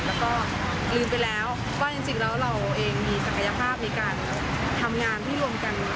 ลืมไปแล้วก็จริงแล้วเราเองมีศักยภาพในการทำงานที่รวมกันได้เยอะขนาดนี้ครับ